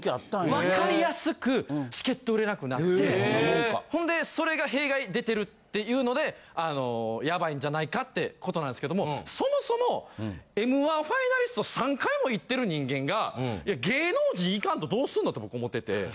わかりやすくチケット売れなくなってほんでそれが弊害出てるっていうのであのヤバいんじゃないかってことなんすけどもそもそも『Ｍ−１』ファイナリスト３回もいってる人間が。と僕思ってて。